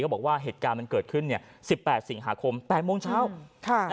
เขาบอกว่าเหตุการณ์มันเกิดขึ้นเนี่ย๑๘สิงหาคม๘โมงเช้า